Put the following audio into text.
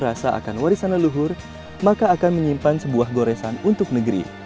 rasa akan warisan leluhur maka akan menyimpan sebuah goresan untuk negeri